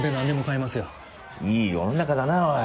いい世の中だなおい。